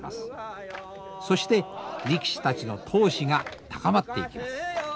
そして力士たちの闘志が高まっていきます。